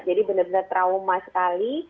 jadi benar benar trauma sekali